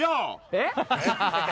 えっ？